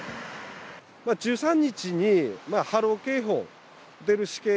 １３日に波浪警報出るしけ。